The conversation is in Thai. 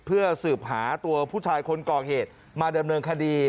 เพื่อสืบหาตัวผู้ชายคนก่อเหตุมาดำเนินคดี